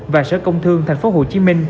và sở công thương tp hcm